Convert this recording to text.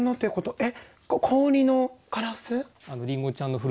えっ！